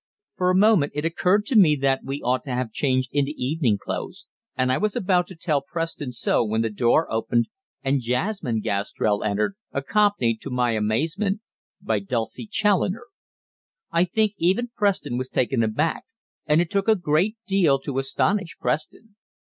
For a moment it occurred to me that we ought to have changed into evening clothes, and I was about to tell Preston so when the door opened and Jasmine Gastrell entered, accompanied, to my amazement, by Dulcie Challoner. I think even Preston was taken aback and it took a great deal to astonish Preston.